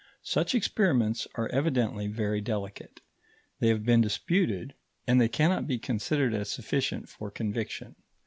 Such experiments are evidently very delicate; they have been disputed, and they cannot be considered as sufficient for conviction.